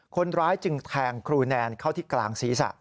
คนร้ายจึงแทงครูแนนเข้าที่กลางศีรษะ